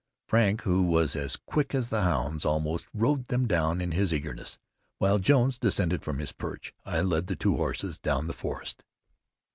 Frank, who was as quick as the hounds, almost rode them down in his eagerness. While Jones descended from his perch, I led the two horses down the forest.